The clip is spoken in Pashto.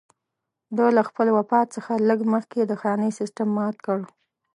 ده له خپل وفات څخه لږ مخکې د خاني سېسټم مات کړ.